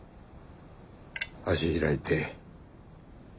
足開いて。